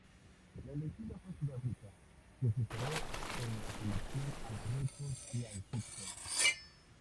La elegida fue Sudáfrica, que superó en la selección a Marruecos y a Egipto.